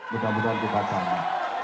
mudah mudahan kita sama